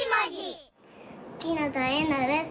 きのだえなです。